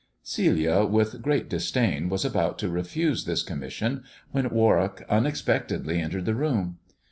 Celia, with great disdain, was about to refuse this com mission, when "Warwick unexpectedly entered the room.